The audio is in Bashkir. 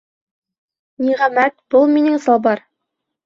Ниғәмәт, был минең салбар!